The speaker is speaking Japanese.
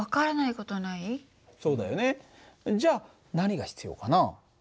じゃあ何が必要かな？